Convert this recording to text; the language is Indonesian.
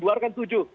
gue harapkan tujuh